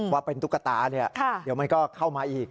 ว่าเป็นตุ๊กตาเดี๋ยวมันก็เข้ามาอีก